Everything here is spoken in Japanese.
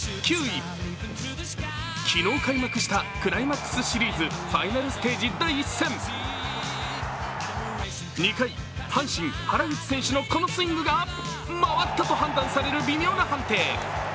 昨日開幕したクライマッスクスシリーズファイナルステージ第１戦２回、阪神・原口選手のこのスイングが回ったと判断される微妙な判定。